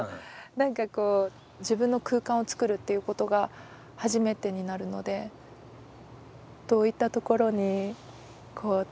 何か自分の空間をつくるっていうことが初めてになるのでどういったところに気をつけるというか。